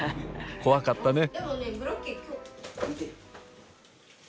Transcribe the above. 怖かったね。